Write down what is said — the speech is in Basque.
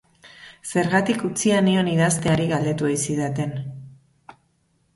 Zergatik utzia nion idazteari galdetu ohi zidaten.